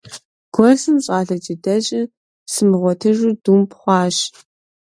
Гуэщым щӀэлъа джыдэжьыр сымыгъуэтыжу думп хъуащ.